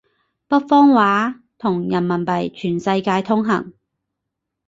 北方話同人民幣全世界通行